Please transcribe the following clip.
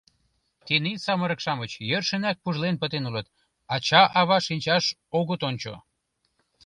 Тений самырык-шамыч йӧршынак пужлен пытен улыт, ача-ава шинчаш огыт ончо.